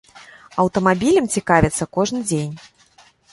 Аўтамабілем цікавяцца кожны дзень.